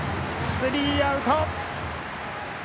スリーアウト！